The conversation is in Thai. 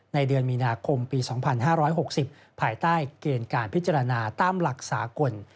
ในเดือนมีนาคมปี๒๕๖๐ภายใต้เกณฑ์การพิจารณาตามหลักสากล